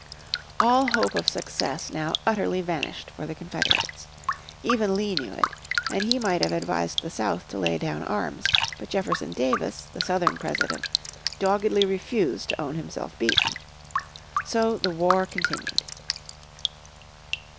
All hope of success now utterly vanished for the Confederates. Even Lee knew it, and he might have advised the South to lay down arms, but Jefferson Davis, the Southern President, doggedly refused to own himself beaten. So the war continued.